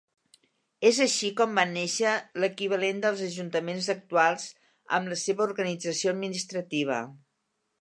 És així com van néixer l'equivalent dels ajuntaments actuals amb la seva organització administrativa.